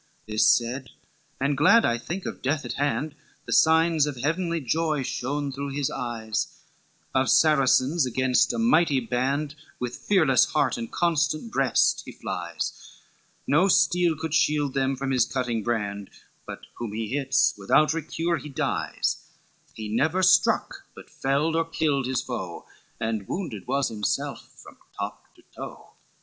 XXII "This said, and glad I think of death at hand, The signs of heavenly joy shone through his eyes, Of Saracens against a mighty band, With fearless heart and constant breast he flies; No steel could shield them from his cutting brand But whom he hits without recure he dies, He never struck but felled or killed his foe And wounded was himself from top to toe.